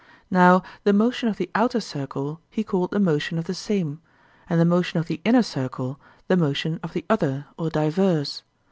Now the motion of the outer circle he called the motion of the same, and the motion of the inner circle the motion of the other or diverse.